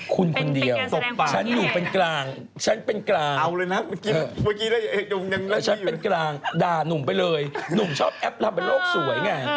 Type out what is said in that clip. คุณคนเดียวฉันหนูเป็นกลางฉันเป็นกลางด่านุ่มไปเลยนุ่มชอบแอบทำเป็นโลกสวยไง